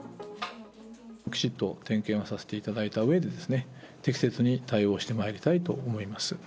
きちっと点検をさせていただいたうえでですね、適切に対応してまいりたいと思います。